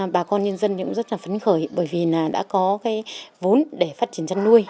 bà con nhân dân cũng rất là phấn khởi bởi vì là đã có cái vốn để phát triển chăn nuôi